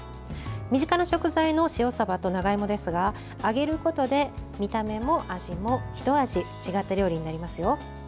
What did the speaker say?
身近な食材の塩さばと長芋ですが揚げることで見た目も味もひと味違った料理になりますよ。